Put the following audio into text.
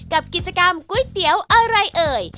กับกิจกรรมก๋วยเตี๋ยวอะไรเอ่ย